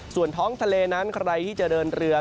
ส่วนท้องทะเลนั้นใครที่จะเดินเรือ